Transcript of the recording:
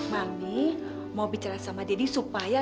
mami mau bicara sama daddy supaya ya